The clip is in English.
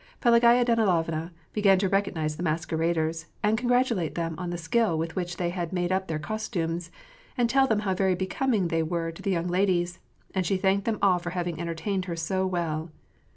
Pelagaya Danilovna began to recognize the masqueraders, and congratu late them on the skill with which they had made up their costumes, and tell them how very becoming they were to the young ladies, and she thanked them all for having entertained her so well.